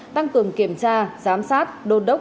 tăng cường kiểm tra giám sát đồn đốc